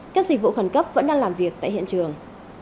các dịch vụ khẩn cấp vẫn đang làm việc tại hiện trường